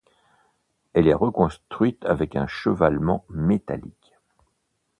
Elle est reconstruite avec un chevalement métallique.